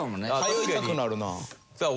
通いたくなるなあ。